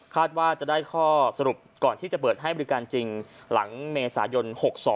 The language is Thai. ว่าจะได้ข้อสรุปก่อนที่จะเปิดให้บริการจริงหลังเมษายน๖๒